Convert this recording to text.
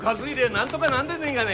なんとがなんでねえがね？